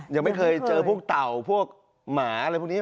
ยังไม่เคยเจอพวกเต่าพวกหมาอะไรพวกนี้